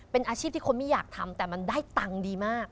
พอก็เลยทำ